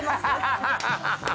ハハハハ！